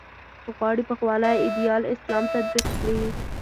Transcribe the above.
غواړي پخوانی ایدیال اسلام تطبیق کړي.